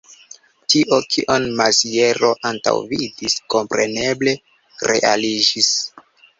Tio, kion Maziero antaŭvidis, kompreneble realiĝis.